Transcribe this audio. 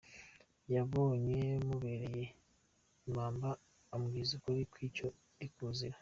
Yabonye mubereye ibamba ambwiza ukuri kw’icyo ndikuzira